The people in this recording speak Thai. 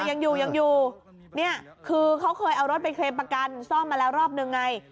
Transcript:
ยังอยู่ยังอยู่เนี่ยคือเขาเคยเอารถไปเคลมประกันซ่อมมาแล้วรอบนึงไง